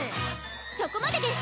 そこまでです！